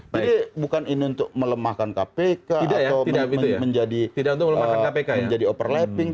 jadi bukan ini untuk melemahkan kpk atau menjadi overlapping